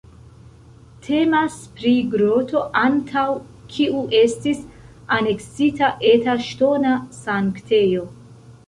Temas pri groto antaŭ kiu estis aneksita eta ŝtona sanktejo.